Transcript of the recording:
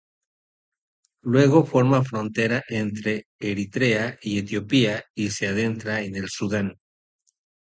Luego forma frontera entre Eritrea y Etiopía y se adentra en Sudán.